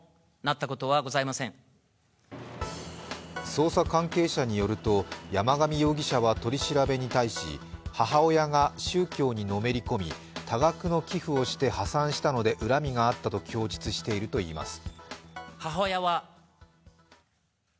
捜査関係者によると山上容疑者は取り調べに対し母親が宗教にのめり込み多額の寄附をして破産したので恨みがあったと供述しているといいます。